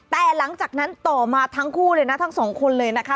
แต่หลังจากนั้นต่อมาทั้งคู่เลยนะทั้งสองคนเลยนะคะ